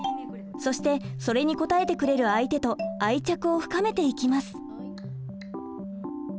そしてそれに応えてくれる相手と愛着を深めていきます。